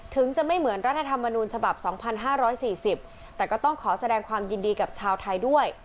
ถึงจะไม่เหมือนรัฐธรรมนูญฉบับ๒๕๔๐แต่ก็ต้องขอแสดงความยินดีกับชาวไทยด้วย